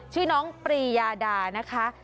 ชื่อน้องปรียาดานะคะ